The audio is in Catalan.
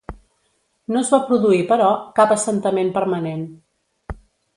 No es va produir, però, cap assentament permanent.